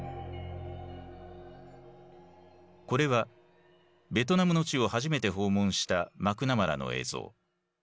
これはベトナムの地を初めて訪問したマクナマラの映像。